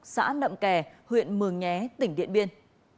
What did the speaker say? xã nậm kè huyện mường nhé tỉnh điện biên